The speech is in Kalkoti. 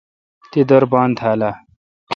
تی دربان تھال آ؟